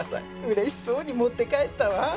嬉しそうに持って帰ったわ。